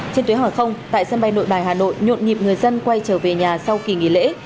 trên tuyến hàng không tại sân bay nội bài hà nội nhộn nhịp người dân quay trở về nhà sau kỳ nghỉ lễ